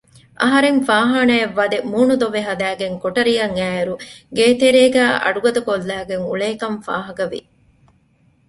އަހަރެން ފާހާނާއަށްވަދެ މޫނު ދޮވެ ހަދައިގެން ކޮޓަރިއަށް އައިއިރު ގޭތެރޭގައި އަޑުގަދަކޮށްލައިގެން އުޅޭކަން ފާހަގަވި